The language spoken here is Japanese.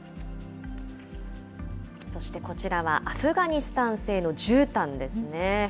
そしてこちらは、アフガニスタン製のじゅうたんですね。